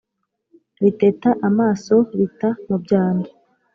riteta amaso rita mu byano